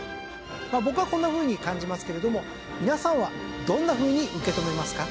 まあ僕はこんなふうに感じますけれども皆さんはどんなふうに受け止めますか？